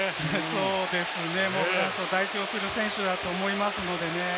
そうですね、フランスを代表する選手だと思います。